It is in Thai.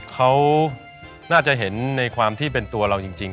เขาน่าจะเห็นในความที่เป็นตัวเราจริง